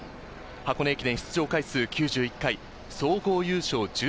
箱根駅伝出場回数９１回、総合優勝中